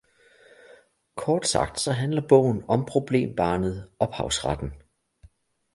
Kort sagt så handler bogen om problembarnet ophavsretten.